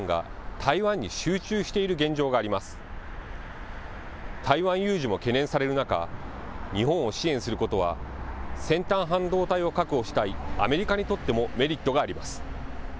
台湾有事も懸念される中、日本を支援することは、先端半導体を確保したいアメリカにとってもメリットがあります。